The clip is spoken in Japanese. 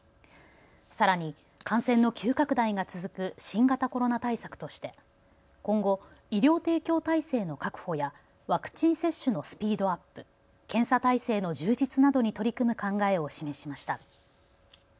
さらに感染の急拡大が続く新型コロナ対策として今後、医療提供体制の確保やワクチン接種のスピードアップ、検査態勢の充実などに取り組む考えを示しました。